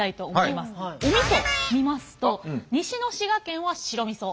おみそ見ますと西の滋賀県は白みそ。